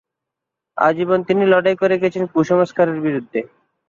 আজীবন তিনি লড়াই করে গেছেন কুসংস্কারের বিরুদ্ধে।